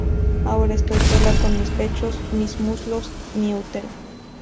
Ahora estoy sola con mis pechos mis muslos mi útero.